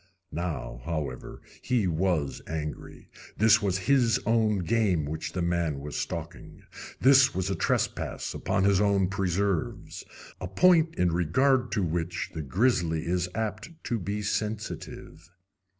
Now, however, he was angry. This was his own game which the man was stalking. This was a trespass upon his own preserves a point in regard to which the grizzly is apt to be sensitive.